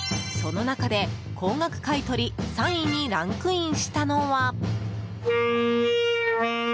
その中で高額買取３位にランクインしたのは。